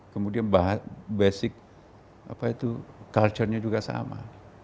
kemudian basic apa itu culture nya juga sama